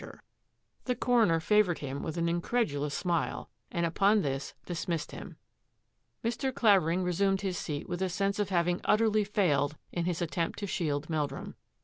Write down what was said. UNDER FIRE 187 The coroner favoured him with an incredulous smile and upon this dismissed him. Mr. Clavering resumed his seat with a sense of having utterly failed in his attempt to shield Mel drum.